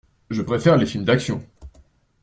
Je préfère les films d'action.